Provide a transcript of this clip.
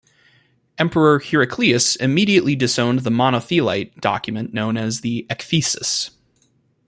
Emperor Heraclius immediately disowned the Monothelite document known as the "Ecthesis".